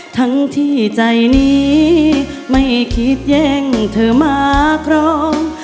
ทั้งที่ใจนี้ไม่คิดแย่งเธอมาครอง